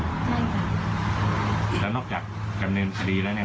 ใช่ค่ะแล้วนอกจากกำเนินคดีแล้วเนี้ย